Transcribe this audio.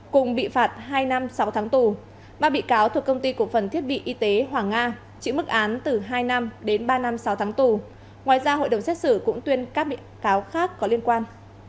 cùng bị phạt hai năm sáu tháng tù ba bị cáo thuộc công ty cổ phần thiết bị y tế hoàng nga chịu mức án từ hai năm đến ba năm sáu tháng tù ngoài ra hội đồng xét xử cũng tuyên các bị cáo khác có liên quan